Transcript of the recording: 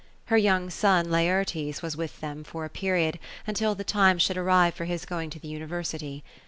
Her young son, Laertes, was with them, for a period, until the time should arrive for his going to the uniyersity.